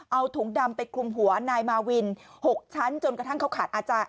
เอาถุงดำไปคลุมหัวนายมาวิน๖ชั้นจนกระทั่งเขาขาดอาจารย์